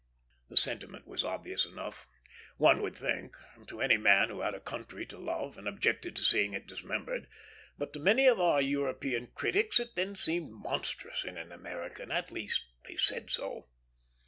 The sentiment was obvious enough, one would think, to any man who had a country to love and objected to seeing it dismembered, but to many of our European critics it then seemed monstrous in an American; at least they said so.